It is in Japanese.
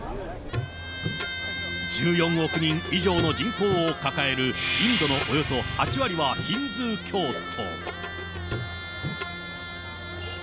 １４億人以上の人口を抱えるインドのおよそ８割はヒンズー教徒。